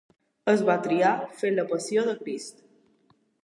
Es va triar fer la Passió de Crist.